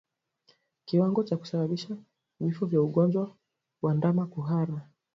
Kiwango cha kusababisha vifo kwa ugonjwa wa ndama kuhara